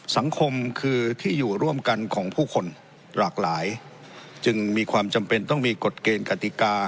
สังคมคือที่อยู่ร่วมกันของผู้คนหลากหลายจึงมีความจำเป็นต้องมีกฎเกณฑ์กติกา